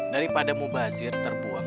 daripada mubazir terbuang